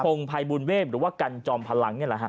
พงภัยบุญเวศหรือว่ากันจอมพลัง